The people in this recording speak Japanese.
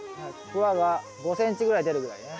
クワが５ｃｍぐらい出るぐらいね。